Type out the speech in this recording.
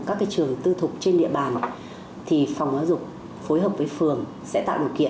các trường tư thục trên địa bàn thì phòng giáo dục phối hợp với phường sẽ tạo điều kiện